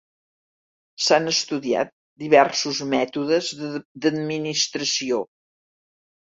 S'han estudiat diversos mètodes d'administració.